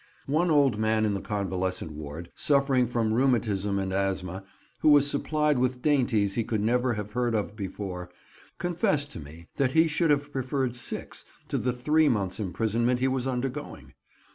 One old man in the convalescent ward, suffering from rheumatism and asthma, who was supplied with dainties he could never have heard of before, confessed to me that he should have preferred six to the three months' imprisonment he was undergoing.